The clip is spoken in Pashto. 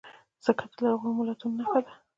مځکه د لرغونو ملتونو نښه ده.